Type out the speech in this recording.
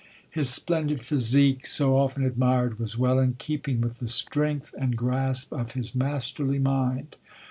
His splendid physique, so often admired, was well in keeping with the strength and grasp of his masterly mind.